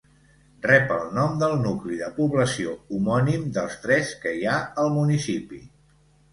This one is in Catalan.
Rep el nom del nucli de població homònim dels tres que hi ha al municipi.